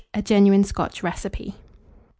(A genuine Scotch Recipe.)